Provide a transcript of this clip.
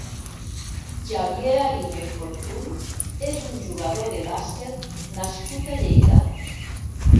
Xavier Ariño i Fortuny és un jugador de bàsquet nascut a Lleida.